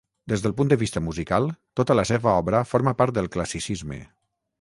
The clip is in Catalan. Des del punt de vista musical, tota la seva obra forma part del Classicisme.